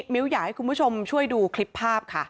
มิ้วอยากให้คุณผู้ชมช่วยดูคลิปภาพค่ะ